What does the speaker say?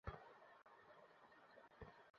আরে কতবার বলেছি, আরো বেশি লোক কাজে রাখো?